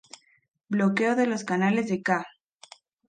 Bloqueo de los canales de Ca.